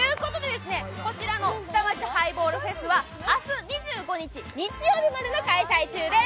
こちらの下町ハイボールフェスは明日２５日日曜日までの開催です。